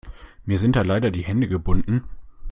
Mir sind da leider die Hände gebunden.